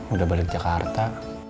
udah balik jakarta